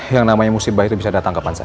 yang namanya musibah itu bisa datang kapan saja